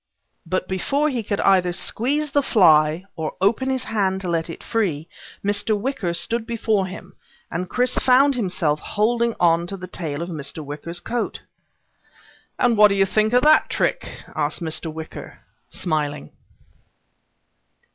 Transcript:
But before he could either squeeze the fly or open his hand to let it free, Mr. Wicker stood before him, and Chris found himself holding on to the tail of Mr. Wicker's coat. "And what did you think of that trick?" asked Mr. Wicker smiling.